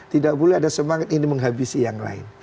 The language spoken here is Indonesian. tidak boleh ada semangat ini menghabisi yang lain